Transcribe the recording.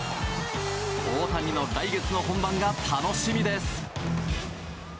大谷の来月の本番が楽しみです。